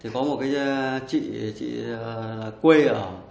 chị quê ở